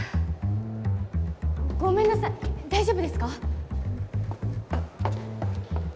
ごめんなさい大丈夫ですか？